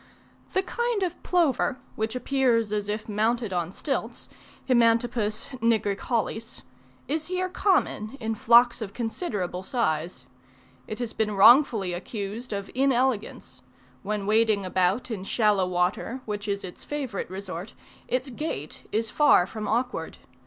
The kind of plover, which appears as if mounted on stilts (Himantopus nigricollis), is here common in flocks of considerable size. It has been wrongfully accused of inelegance; when wading about in shallow water, which is its favourite resort, its gait is far from awkward.